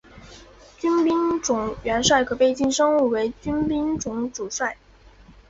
军兵种元帅可被晋升为军兵种主帅。